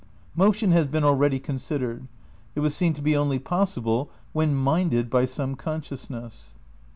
Motion has been already considered. It was seen to be only possible when "minded" by some conscious ness.